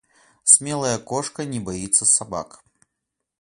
Смелая кошка не боится собак.